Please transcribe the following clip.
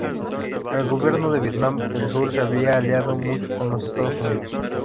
El gobierno de Vietnam del Sur se había aliado mucho con los Estados Unidos.